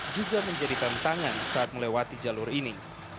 juga menjadi tantangan saat melewati jalur ini